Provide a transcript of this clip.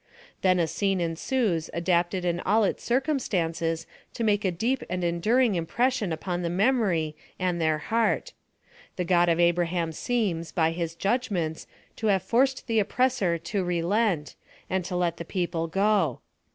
Then a scene ensues adapted in all its • ircumstances to make a deep and enduring im pression upon their memory and their heart. — The God of Abraham seems, by his judgments, to have forced the oppressor lO relent, and to let the people go.